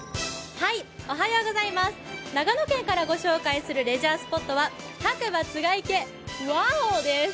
長野県からご紹介するレジャースポットは白馬つがいけＷＯＷ！です。